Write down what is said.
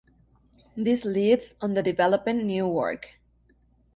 This leads on to developing new work.